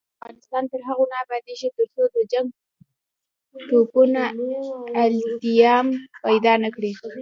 افغانستان تر هغو نه ابادیږي، ترڅو د جنګ ټپونه التیام پیدا نکړي.